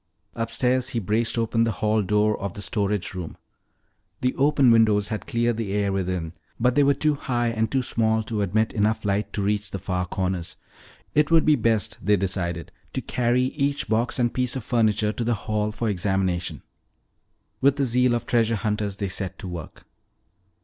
Upstairs he braced open the hall door of the storage room. The open windows had cleared the air within but they were too high and too small to admit enough light to reach the far corners. It would be best, they decided, to carry each box and piece of furniture to the hall for examination. With the zeal of treasure hunters they set to work.